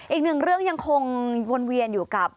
อีกหนึ่งเรื่องยังคงวนเวียนอยู่กับ